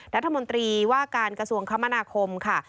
รัฐมนตรีว่าการกระทรวงคมนาคมค่ะ